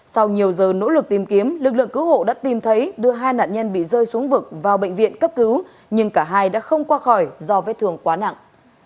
sau nhiều giờ nỗ lực tìm kiếm lực lượng cứu hộ đã tìm thấy đưa hai nạn nhân bị rơi xuống vực vào bệnh viện cấp cứu nhưng cả hai đã không qua khỏi do vết thương quá nặng